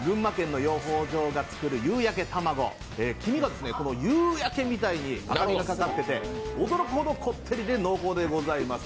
群馬県の養蜂場が作るゆうやけ卵黄味が夕焼けみたいに赤味がかっていて驚くほどこってりで濃厚でございます。